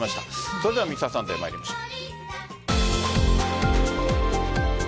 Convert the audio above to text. それでは「Ｍｒ．サンデー」参りましょう。